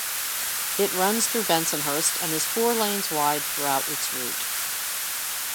It runs through Bensonhurst and is four lanes wide throughout its route.